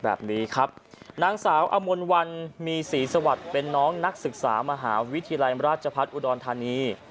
แบบนี้ครับนางสาวอมลวันมีศรีสวัสดิ์เป็นน้องนักศึกษามหาวิทยาลัยราชพัฒน์อุดรธานี